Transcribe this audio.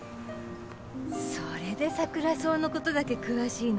それでサクラソウの事だけ詳しいのね。